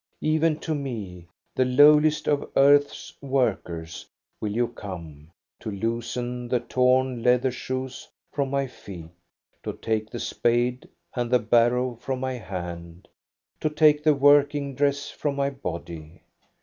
Even to me, the lowliest of earth's workers, will you come, to loosen the torn leather shoes from my feet, to take the spade and the barrow from my hand, to take the working dress from my body.